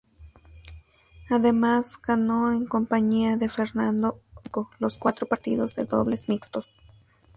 Además ganó en compañía de Fernando Verdasco los cuatro partidos de dobles mixtos.